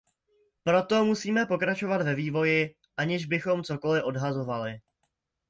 Proto musíme pokračovat ve vývoji, aniž bychom cokoli odhadovali.